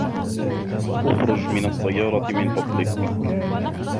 اخرج من السّيّارة من فضلك.